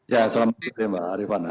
ya selamat sore mbak rifana